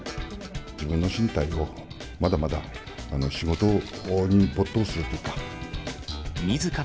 自分の進退はまだまだ、仕事に没頭するというか。